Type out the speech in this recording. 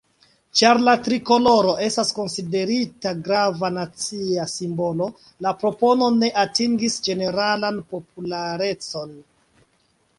Ĉar la trikoloro estas konsiderita grava nacia simbolo, la propono ne atingis ĝeneralan popularecon.